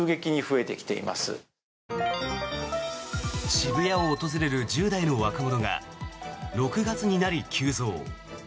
渋谷を訪れる１０代の若者が６月になり急増。